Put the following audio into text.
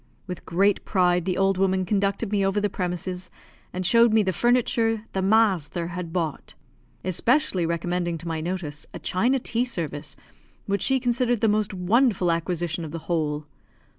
With great pride the old woman conducted me over the premises, and showed me the furniture "the masther" had bought; especially recommending to my notice a china tea service, which she considered the most wonderful acquisition of the whole.